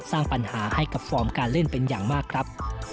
สร้างปัญหาให้กับฟอร์มการเล่นเป็นอย่างมากครับ